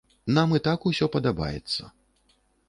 Нам і так усё падабаецца.